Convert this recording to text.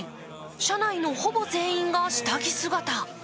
車内のほぼ全員が下着姿。